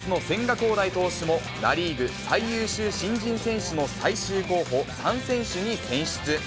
一方、メッツの千賀滉大投手も、ナ・リーグ最優秀新人選手の最終候補３選手に選出。